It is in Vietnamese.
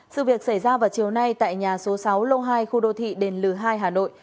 sự việc xảy ra vào chiều nay tại nhà số sáu lô hai khu đô thị đền lừ hai hà nội